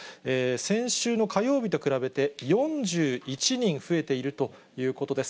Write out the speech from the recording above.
先週の火曜日と比べて４１人増えているということです。